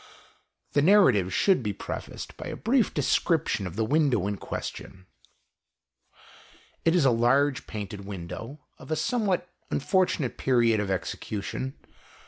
The narrative should be prefaced by a brief description of the window in question. It is a large painted window, of a somewhat unfortu nate period of execution.